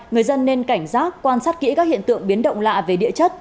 người dân nên cảnh giác quan sát kỹ các hiện tượng biến động lạ về địa chất